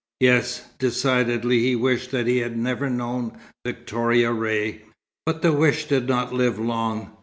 Yes, decidedly he wished that he had never known Victoria Ray. But the wish did not live long.